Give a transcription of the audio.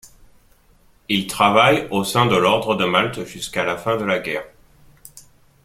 Il travaille au sein de l'ordre de Malte jusqu'à la fin de la guerre.